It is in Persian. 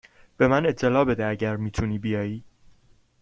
به من اطلاع بده اگر می توانی بیایی.